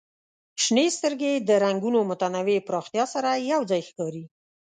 شنې سترګې د رنګونو متنوع پراختیا سره یو ځای ښکاري.